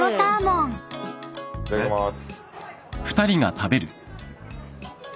いただきます。